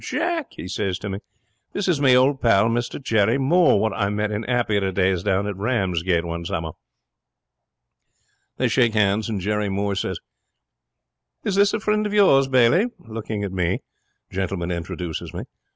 Jack," he says to me, "this is my old pal, Mr Jerry Moore, wot I met in 'appier days down at Ramsgate one summer." 'They shakes hands, and Jerry Moore says, "Is this a friend of yours, Bailey?" looking at me. Gentleman introduces me.